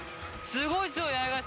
すごいね！